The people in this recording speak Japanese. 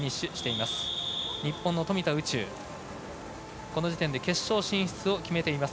日本の富田宇宙、この時点で決勝進出を決めています。